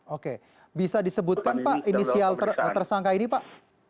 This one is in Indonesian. oke bisa disebutkan pak inisial tersangka ini pak